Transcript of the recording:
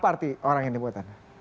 berarti orang yang dibuat anda